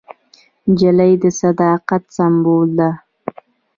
نجلۍ د صداقت سمبول ده.